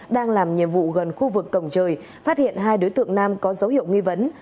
đang làm nhiệm vụ gần khu vực cổng trời phát hiện hai đối tượng nam có dấu hiệu nghi vấn